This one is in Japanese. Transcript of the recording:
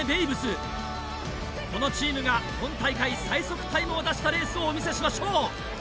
このチームが今大会最速タイムを出したレースをお見せしましょう！